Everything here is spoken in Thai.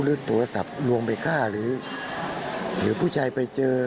หรือโทรศัพท์ลวงไปฆ่าหรือหรือผู้ชายไปเจอ